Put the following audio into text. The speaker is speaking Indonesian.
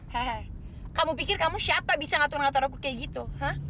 hah kamu pikir kamu siapa bisa ngatur ngatur aku kayak gitu